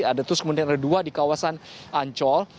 ada terus kemudian ada dua di kawasan ancol